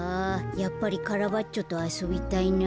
やっぱりカラバッチョとあそびたいな。